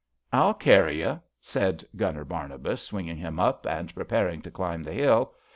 I'll carry you," said Gunner Barnabas, swing ing him up and preparing to climb the hill.